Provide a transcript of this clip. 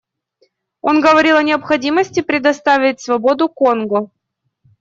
Он говорил о необходимости предоставить свободу Конго.